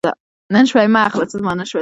نفت د افغانستان د طبیعت برخه ده.